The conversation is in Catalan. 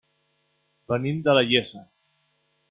Venim de la Iessa.